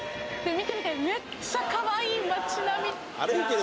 見て見てめっちゃかわいい町並み